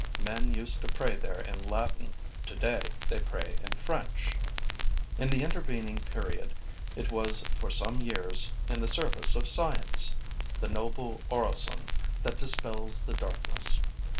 Men used to pray there in Latin; today they pray in French. In the intervening period, it was for some years in the service of science, the noble orison that dispels the darkness.